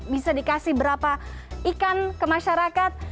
bisa dikasih berapa ikan ke masyarakat